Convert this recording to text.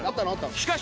しかし。